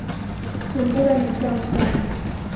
Sungura ni mtamu sana